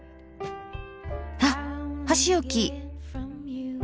あっ箸置き。